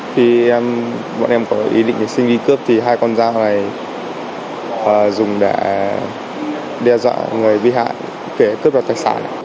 khi em có ý định xin đi cướp hai con dao này dùng để đe dọa người bị hại để cướp tài sản